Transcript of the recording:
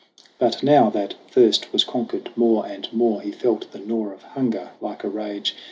But now that thirst was conquered, more and more He felt the gnaw of hunger like a rage.